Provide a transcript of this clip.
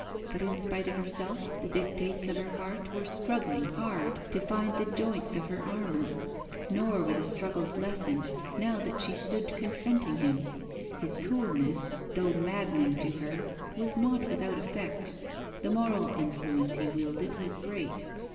But, in spite of herself, the dictates of her heart were struggling hard to find the joints of her armour. Nor were the struggles lessened now that she stood confronting him. His coolness, though maddening to her, was not without effect. The moral influence he wielded was great.